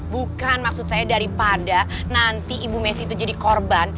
bukan maksud saya daripada nanti ibu messi itu jadi korban